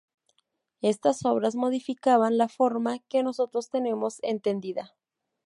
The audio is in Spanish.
Estas obras modificaban la forma que nosotros tenemos entendida.